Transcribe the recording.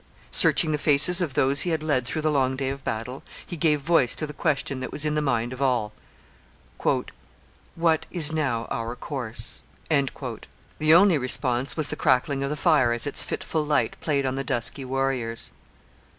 Searching the faces of those he had led through the long day of battle, he gave voice to the question that was in the mind of all 'What is now our course?' The only response was the crackling of the fire as its fitful light played on the dusky warriors.